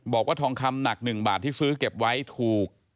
บอกว่าทองคำหนัก๑บาทที่ซื้อเก็บไว้ถูก